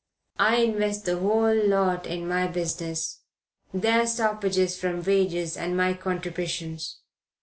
I invest the whole lot in my business their stoppages from wages and my contributions.